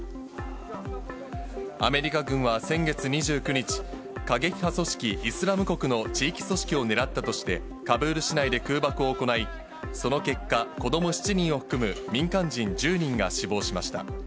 アメリカ軍は先月２９日、過激派組織イスラム国の地域組織を狙ったとして、カブール市内で空爆を行い、その結果、子ども７人を含む民間人１０人が死亡しました。